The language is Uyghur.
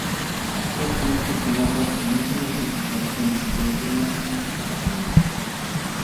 ئۇ كېيىنكى كۈنلەردە تۇرمۇشىمىزنى ئۆزگەرتكەن كومپيۇتېرلاردىن ئانچە پەرقلەنمەيدۇ.